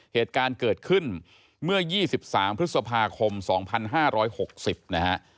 เหตุการณ์เกิดขึ้นเมื่อ๒๓พฤษภาคม๒๕๖๐นะฮะ